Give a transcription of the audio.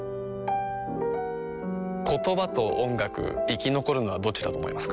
言葉と音楽生き残るのはどっちだと思いますか？